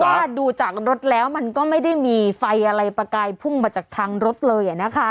ว่าดูจากรถแล้วมันก็ไม่ได้มีไฟอะไรประกายพุ่งมาจากทางรถเลย